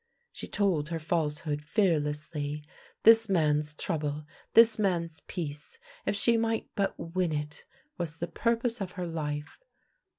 She told her falsehood fearlessly. This man's trou ble, this man's peace, if she might but win it, was the purpose of her life.